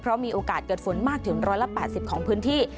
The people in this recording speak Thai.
เพราะมีโอกาสเกิดฝนมากถึง๑๘๐ของพื้นที่